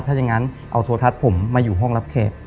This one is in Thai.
ถ้าอย่างนั้นเอาโทรทัศน์ผมมาอยู่ห้องรับแขก